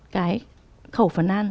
cái khẩu phấn ăn